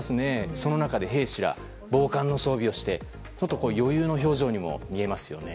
その中で兵士が防寒の装備をして余裕の表情にも見えますよね。